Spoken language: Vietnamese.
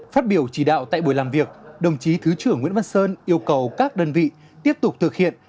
phát biểu chỉ đạo tại buổi làm việc đồng chí thứ trưởng nguyễn văn sơn yêu cầu các đơn vị tiếp tục thực hiện